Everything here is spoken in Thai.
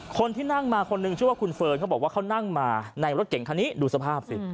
คนที่นั่งมาคนนึงชื่อว่าคุณเฟิร์นเขาบอกว่าเขานั่งมาในรถเก่งคันนี้ดูสภาพสิ